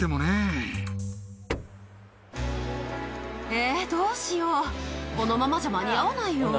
えっどうしようこのままじゃ間に合わないよ。